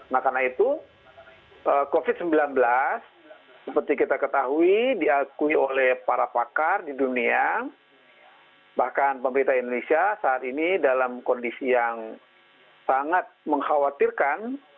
nah karena itu covid sembilan belas seperti kita ketahui diakui oleh para pakar di dunia bahkan pemerintah indonesia saat ini dalam kondisi yang sangat mengkhawatirkan